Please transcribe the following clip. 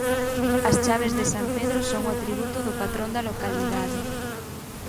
As chaves de san Pedro son o atributo do patrón da localidade.